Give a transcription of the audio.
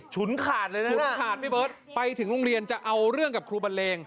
ฉุนขาดเลยนะฉุนขาดพี่เบิร์ตไปถึงโรงเรียนจะเอาเรื่องกับครูบันเลง